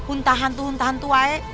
unta hantu hantu aja